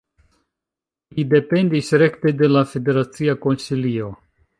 Li dependis rekte de la federacia Konsilio.